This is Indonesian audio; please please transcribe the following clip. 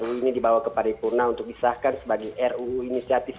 ketika ruu ini dibawa ke padipurna untuk disahkan sebagai ruu inisiatif dpr